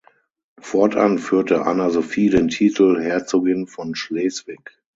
Fortan führte Anna Sophie den Titel "Herzogin von Schleswig".